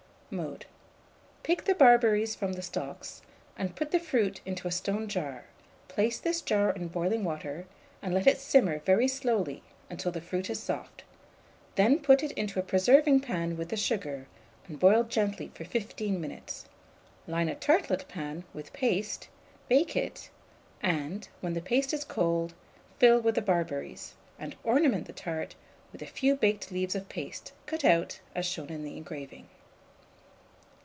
] Mode. Pick the barberries from the stalks, and put the fruit into a stone jar; place this jar in boiling water, and let it simmer very slowly until the fruit is soft; then put it into a preserving pan with the sugar, and boil gently for 15 minutes; line a tartlet pan with paste, bake it, and, when the paste is cold, fill with the barberries, and ornament the tart with a few baked leaves of paste, cut out, as shown in the engraving.